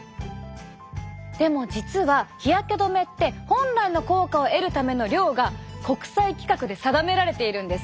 でも実は日焼け止めって本来の効果を得るための量が国際規格で定められているんです。